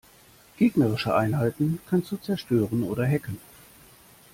Gegnerische Einheiten kannst du zerstören oder hacken.